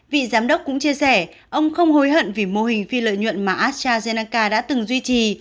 vị giám đốc cũng chia sẻ ông không hối hận vì mô hình phi lợi nhuận mà astrazeneca đã từng duy trì